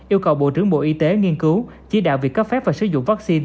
yêu cầu bộ trưởng bộ y tế nghiên cứu chỉ đạo việc cấp phép và sử dụng vaccine